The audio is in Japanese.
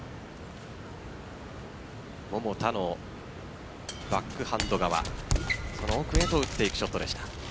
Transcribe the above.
桃田のバックハンド側その奥へと打っていくショットでした。